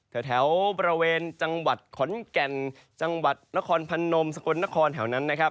เป็นแถวจังหวัดขนแก่นจังหวัดนครพนมสงธนคศนแถวนั้น